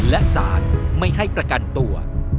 และสารไม่ให้ประกันตัว